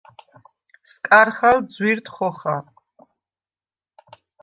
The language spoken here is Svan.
სკარხალ ძუ̂ირდ ხოხა.